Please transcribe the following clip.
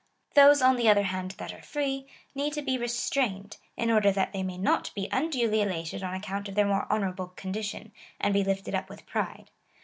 Those, on the other hand, that are free, need to be restrained, in order that they may not be unduly elated on account of their more honourable condition, and be lifted up with pride.